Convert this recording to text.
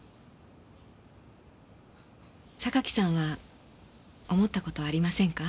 榊さんは思った事ありませんか？